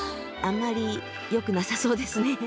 あんまりよくなさそうですね。